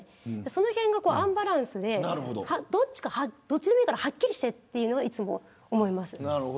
そのへんがアンバランスでどっちでもいいからはっきりしてというのを、いつも思います。